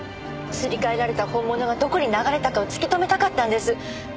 すり替えられた本物がどこに流れたかを突き止めたかったんです。